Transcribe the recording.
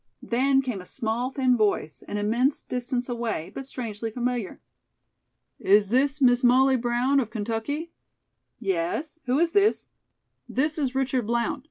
Then came a small, thin voice, an immense distance away, but strangely familiar. "Is this Miss Molly Brown of Kentucky?" "Yes. Who is this?" "This is Richard Blount.